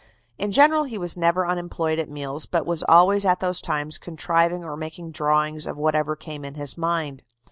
In general he was never unemployed at meals, but was always at those times contriving or making drawings of whatever came in his mind.